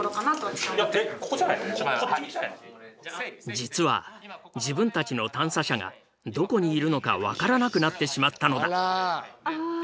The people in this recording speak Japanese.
実は自分たちの探査車がどこにいるのか分からなくなってしまったのだ。